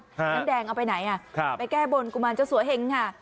น้ำแดงเอาไปไหนอ่ะครับไปแก้บนกุมารเจ้าสัวเฮงค่ะ